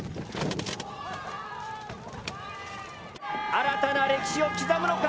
・新たな歴史を刻むのか。